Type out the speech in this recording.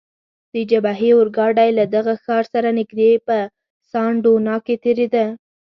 د جبهې اورګاډی له دغه ښار سره نږدې په سان ډونا کې تیریده.